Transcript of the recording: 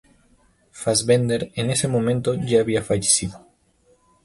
Fassbinder en ese momento ya había fallecido.